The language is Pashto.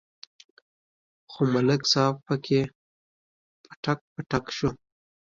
خو ملک صاحب پکې پټک پټک شو.